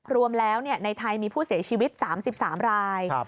รวมแล้วในไทยมีผู้เสียชีวิต๓๓ราย